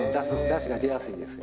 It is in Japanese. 出汁が出やすいです」